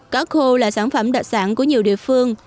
cá khô là sản phẩm đặc sản của nhiều địa phương